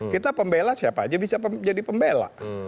kita pembela siapa aja bisa jadi pembela